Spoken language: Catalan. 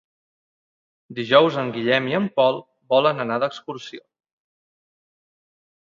Dijous en Guillem i en Pol volen anar d'excursió.